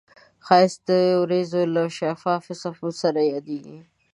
ښایست د وریځو له شفافو څپو سره یادیږي